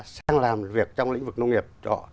sang làm việc trong lĩnh vực nông nghiệp